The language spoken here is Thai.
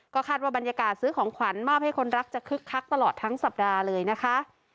คาดว่าบรรยากาศซื้อของขวัญมอบให้คนรักจะคึกคักตลอดทั้งสัปดาห์เลยนะคะ